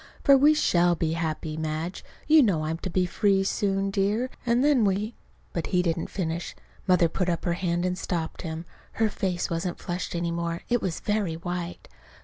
For we shall be happy, Madge. You know I'm to be free, too, soon, dear, and then we " But he didn't finish. Mother put up her hand and stopped him. Her face wasn't flushed any more. It was very white.